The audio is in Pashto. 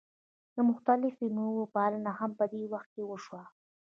د مختلفو میوو پالنه هم په دې وخت کې وشوه.